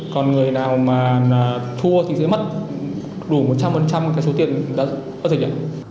còn người nào mà thua thì sẽ mất đủ một trăm linh cái số tiền giao dịch